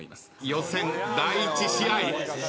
予選第１試合